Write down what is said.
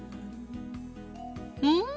うん！